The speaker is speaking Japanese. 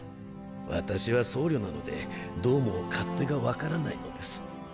私は僧侶なのでどうも勝手が分からないのです。